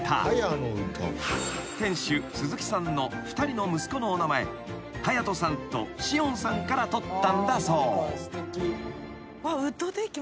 ［店主鈴木さんの２人の息子のお名前捷斗さんと詩音さんから取ったんだそう］